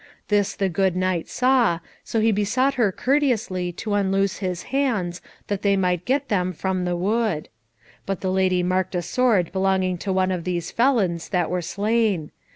This the good knight saw, so he besought her courteously to unloose his hands, that they might get them from the wood. But the lady marked a sword belonging to one of these felons that were slain.